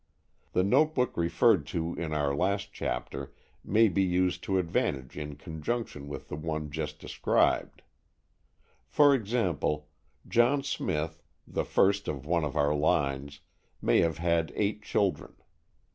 The notebook referred to in our last chapter may be used to advantage in conjunction with the one just described. For example, John Smith, the first of one of our lines, may have had eight children.